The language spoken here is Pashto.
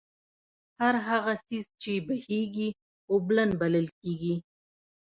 هر هغه څيز چې بهېږي، اوبلن بلل کيږي